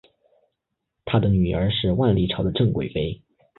他的女儿是万历朝的郑贵妃。